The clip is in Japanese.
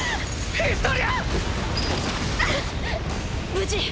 無事？